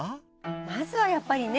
まずはやっぱりね。